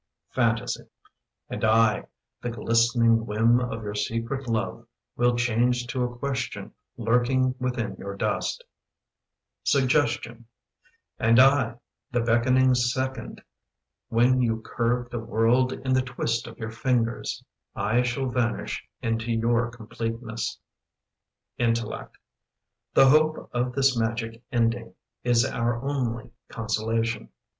Fantasy And I, the glistening whim Of your secret love, Will change to a question lurking within your dust Suggestion And I, the beckoning second When you curved a world in the twist of your fingers — I shall vanish into your completeness. Intellect The hope of this magic ending Is our only consolation.